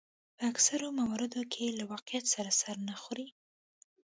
په اکثرو مواردو کې له واقعیت سره سر نه خوري.